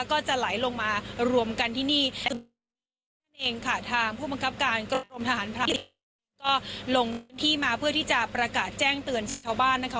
ก็จะไหลลงมารวมกันที่นี่เต็มนั่นเองค่ะทางผู้บังคับการกรมทหารพรานก็ลงที่มาเพื่อที่จะประกาศแจ้งเตือนชาวบ้านนะคะ